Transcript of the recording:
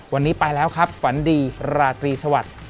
วันนี้ไปแล้วครับฝันดีราตรีสวัสดิ์